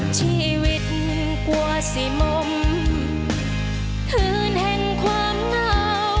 ชีวิตกว่าสี่โมงคืนแห่งความเหงา